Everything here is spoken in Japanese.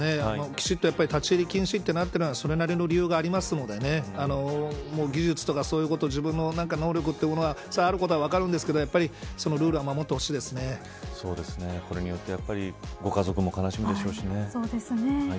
きちんと立ち入り禁止となっているのは、それなりの理由があるので技術とか、そういうこと自分の能力というものがあることは分かるんですけどこれによってご家族も悲しむでしょうしね。